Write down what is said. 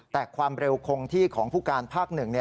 แต่ความเร็วของที่ของภูการภาคหนึ่ง